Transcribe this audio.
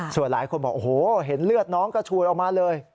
ส่วนหลายคนบอกโอ้โหเห็นเลือดน้องกระฉูดออกมาเลย